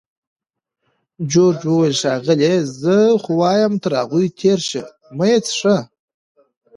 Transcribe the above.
جورج وویل: ښاغلې! زه خو وایم تر هغوی تېر شه، مه یې څښه.